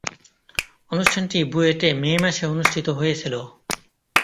অনুষ্ঠানটি বুয়েটে মে মাসে অনুষ্ঠিত হয়েছিলো।